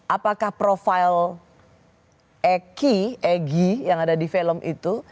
apakah profil eki egy yang ada di film itu